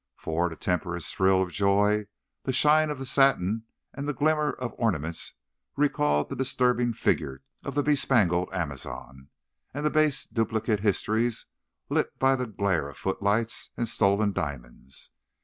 For, to temper his thrill of joy, the shine of the satin and the glimmer of ornaments recalled the disturbing figure of the bespangled Amazon, and the base duplicate histories lit by the glare of footlights and stolen diamonds.